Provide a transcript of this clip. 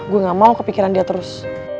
gue gak mau kepikiran dia terus